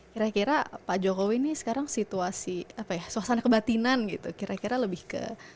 kira kira pak jokowi ini sekarang situasi apa ya suasana kebatinan gitu kira kira lebih ke